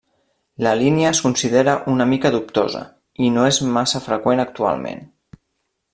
La línia es considera una mica dubtosa, i no és massa freqüent actualment.